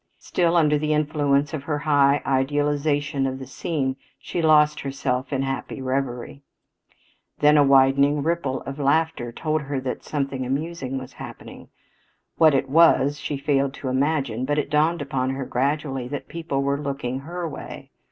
Still under the influence of her high idealization of the scene she lost herself in happy reverie. Then a widening ripple of laughter told her that something amusing was happening. What it was she failed to imagine, but it dawned upon her gradually that people were looking her way.